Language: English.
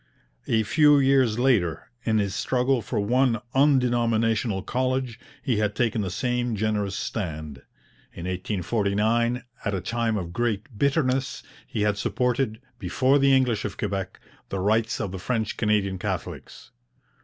A few years later, in his struggle for one undenominational college, he had taken the same generous stand. In 1849, at a time of great bitterness, he had supported, before the English of Quebec, the rights of the French Canadian Catholics.